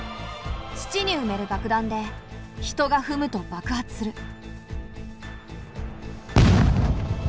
土にうめる爆弾で人がふむと爆発する。